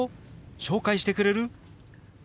紹介してくれる？